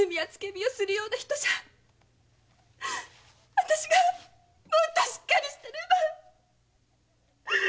あたしがもっとしっかりしてれば‼